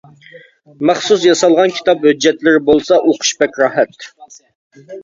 مەخسۇس ياسالغان كىتاب ھۆججەتلىرى بولسا ئوقۇش بەك راھەت.